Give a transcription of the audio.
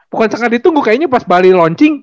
bukan sangat ditunggu kayaknya pas bali launching